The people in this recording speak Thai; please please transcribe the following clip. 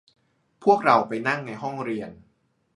พวกเราไปนั่งในห้องเรียน